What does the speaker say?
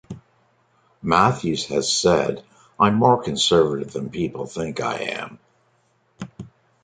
Matthews has said, I'm more conservative than people think I am...